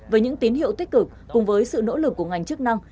với những tín hiệu tích cực cùng với sự nỗ lực của ngành chức năng